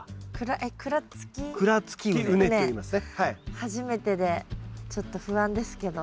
初めてでちょっと不安ですけど。